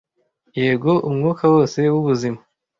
Yego, umwuka wose wubuzima